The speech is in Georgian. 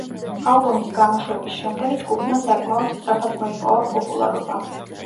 ალბომის გამოშვების შემდეგ ჯგუფმა საკმაოდ სწრაფად მოიპოვა პოპულარობა.